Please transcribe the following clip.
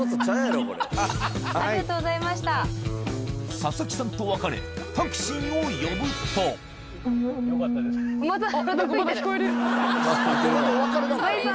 佐々木さんと別れタクシーを呼ぶとバイバイ。